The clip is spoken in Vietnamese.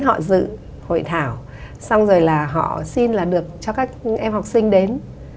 họ dự hội thảo xong rồi là họ xin là được cho các em học sinh đến